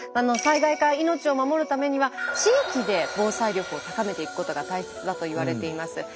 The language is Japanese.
災害から命を守るためには地域で防災力を高めていくことが大切だと言われています。